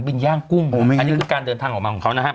ย่างกุ้งอันนี้คือการเดินทางออกมาของเขานะครับ